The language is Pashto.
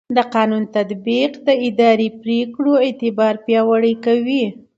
د قانون تطبیق د اداري پرېکړو اعتبار پیاوړی کوي.